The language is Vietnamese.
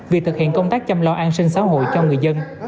việc thực hiện công tác chăm lo an sinh xã hội cho người dân